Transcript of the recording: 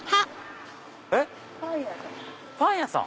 パン屋さん。